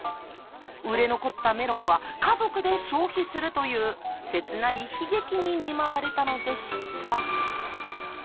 売れ残ったメロンは家族で消費するという切ない悲劇に見舞われたのでした。